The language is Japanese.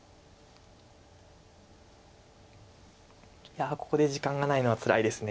いやここで時間がないのはつらいです。